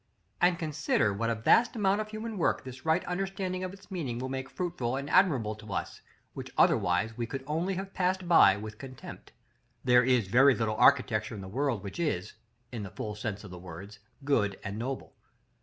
§ XXXIV. And consider what a vast amount of human work this right understanding of its meaning will make fruitful and admirable to us, which otherwise we could only have passed by with contempt. There is very little architecture in the world which is, in the full sense of the words, good and noble.